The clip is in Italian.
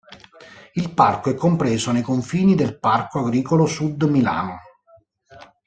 Il parco è compreso nei confini del Parco Agricolo Sud Milano.